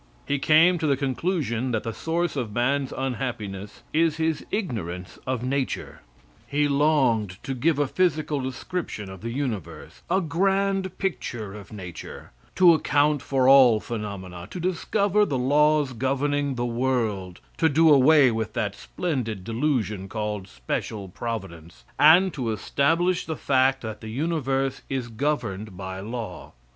He came to the conclusion that the source of man's unhappiness is his ignorance of nature. He longed to give a physical description of the universe a grand picture of nature; to account for all phenomena; to discover the laws governing the world; to do away with that splendid delusion called special providence, and to establish the fact that the universe is governed by law.